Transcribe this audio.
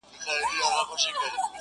د مسجد لوري ـ د مندر او کلیسا لوري ـ